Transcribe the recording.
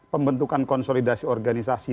pembentukan konsolidasi organisasi